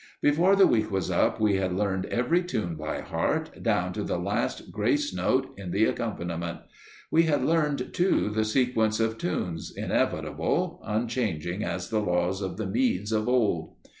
Before the week was up we had learned every tune by heart, down to the last grace note in the accompaniment. We had learned, too, the sequence of tunes, inevitable, unchanging as the laws of the Medes of old.